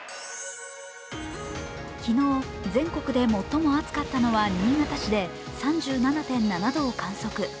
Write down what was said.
昨日、全国で最も暑かったのは新潟市で３７．７度を観測。